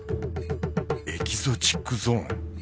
エキゾチックゾーン。